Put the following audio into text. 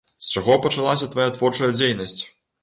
З чаго пачалася твая творчая дзейнасць?